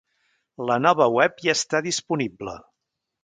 La nova web ja està disponible.